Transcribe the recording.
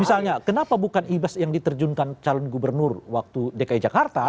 misalnya kenapa bukan ibas yang diterjunkan calon gubernur waktu dki jakarta